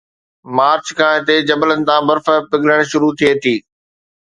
march کان هتي جبل تان برف پگھلڻ شروع ٿئي ٿي